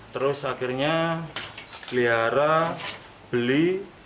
terus akhirnya pelihara beli